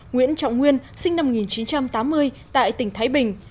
nguyễn trọng nguyên sinh năm một nghìn chín trăm tám mươi tại tỉnh thái bình